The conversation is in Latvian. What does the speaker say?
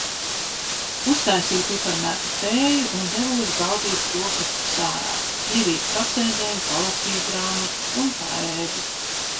Uztaisīju piparmētru tēju un devos baudīt brokastis ārā. Mierīgi pasēdēju, palasīju grāmatu un paēdu.